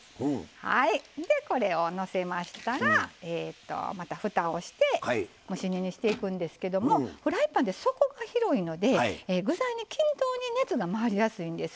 これをのせましたらまたふたをして蒸し煮にしていくんですけどフライパンって底が広いので具材に均等に熱が回りやすいんです。